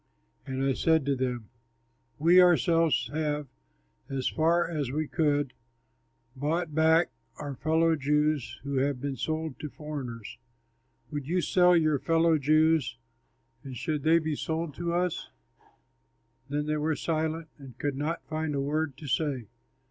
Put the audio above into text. And I said to them, "We ourselves have, as far as we could, bought back our fellow Jews who have been sold to foreigners. Would you sell your fellow Jews, and should they be sold to us?" Then they were silent and could not find a word to say.